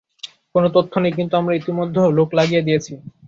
কোনো তথ্য নেই, কিন্তু আমরা ইতোমধ্যে লোক লাগিয়ে দিয়েছি।